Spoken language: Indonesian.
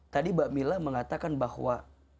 tadi mbak mila mengatakan bahwa